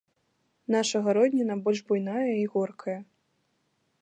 Наша гародніна больш буйная і горкая.